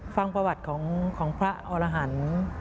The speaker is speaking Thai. ฟังประหวัดของพระอารหัง